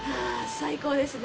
最高ですね。